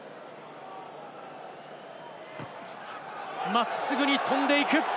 真っすぐに飛んでいく。